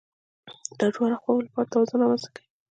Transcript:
دا د دواړو خواوو لپاره توازن رامنځته کوي